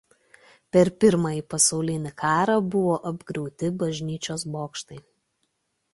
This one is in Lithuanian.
Per Pirmąjį pasaulinį karą buvo apgriauti bažnyčios bokštai.